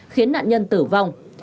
khiến nạn nhân tử vong